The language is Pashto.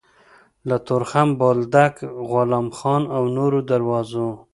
له تورخم، بولدک، غلام خان او نورو دروازو